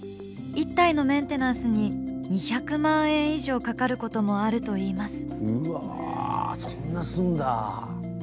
１体のメンテナンスに２００万円以上かかることもあるといいます。